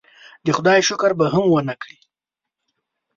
د خدای شکر به هم ونه کړي.